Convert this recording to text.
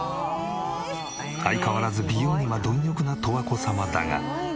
相変わらず美容には貪欲な十和子様だが。